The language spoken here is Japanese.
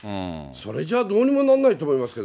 それじゃあ、どうにもならないと思いますよね。